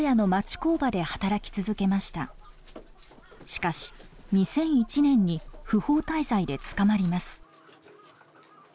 しかし２００１年に不法滞在で捕まります。